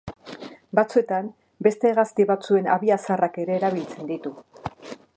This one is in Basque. Batzuetan, beste hegazti batzuen habia zaharrak ere erabiltzen ditu.